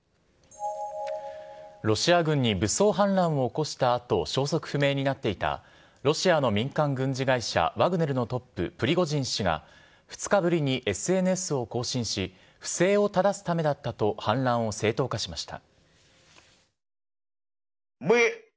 ロシア軍に武装反乱を起こしたあと、消息不明になっていたロシアの民間軍事会社ワグネルのトップ、プリゴジン氏が２日ぶりにＳＮＳを更新し、不正を正すためだったと反乱を正当化しました。